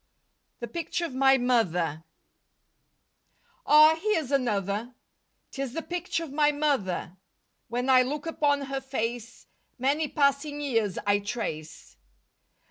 THE PICTURE OF MY MOTHER Ah, here's another, 'Tis the picture of my mother, When I look upon her face Many passing years I trace.